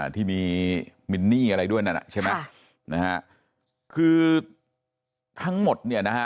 ที่มีมินนี่อะไรด้วยนั่นอ่ะใช่ไหมนะฮะคือทั้งหมดเนี่ยนะฮะ